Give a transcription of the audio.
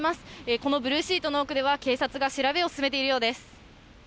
このブルーシートの奥では警察が調べを進めているようです。